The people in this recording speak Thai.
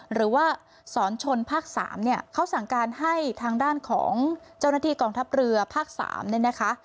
หรือว่าสอนชนภาค๓เขาสั่งการให้ทางด้านของเจ้าหน้าที่กองทัพเรือภาค๓